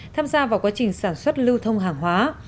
tham gia vào quá trình sản xuất lưu thông hàng hóa